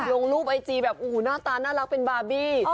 ลงรูปไอจีแบบโอ้โหหน้าตาน่ารักเป็นบาร์บี้